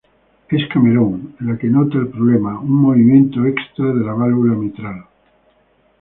Es Cameron la que nota el problema: un movimiento extra de la válvula mitral.